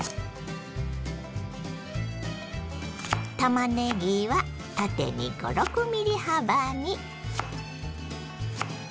たまねぎは縦に５６ｍｍ幅に。